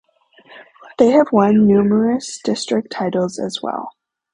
They have won numerous District titles as well.